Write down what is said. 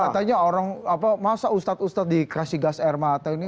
katanya orang masa ustad ustad dikasih gas air mata ini